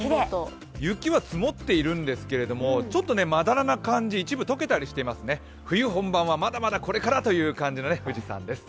雪は積もっているんですけれどもちょっとまだらな感じ、一部解けたりしていますね、冬本番はまだまだこれからという感じの富士山です。